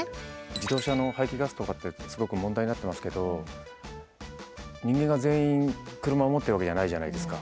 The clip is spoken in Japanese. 自動車の排気ガスとかってすごく問題になってますけど人間が全員車を持ってるわけじゃないじゃないですか。